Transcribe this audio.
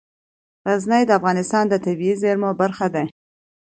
غزني د افغانستان د طبیعي زیرمو برخه ده.